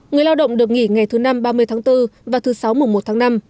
người lao động được nghỉ ngày thứ năm ba mươi tháng bốn và thứ sáu mùng một tháng năm